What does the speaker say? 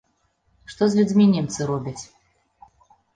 Што з людзьмі немцы робяць?